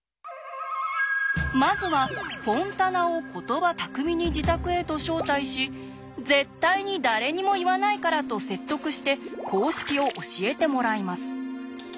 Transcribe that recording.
まずはフォンタナを言葉巧みに自宅へと招待し「絶対に誰にも言わないから」と説得して公式を教えてもらいます。